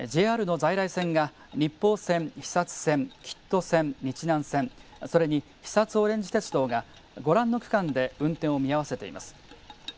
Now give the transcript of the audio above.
ＪＲの在来線が日豊線、肥薩線吉都線、日南線それに肥薩おれんじ鉄道がご覧の区間で運転を見合わせています。